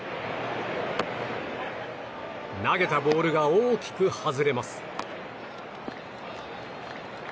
投げたボールが大きく外れます。